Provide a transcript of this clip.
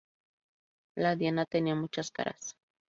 La Diana tenía muchas caras.